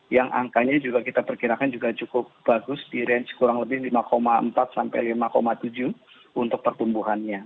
yang angkanya juga kita perkirakan juga cukup bagus di range kurang lebih lima empat sampai lima tujuh untuk pertumbuhannya